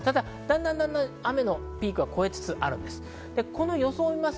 だんだん雨のピークは越えつつあるんです。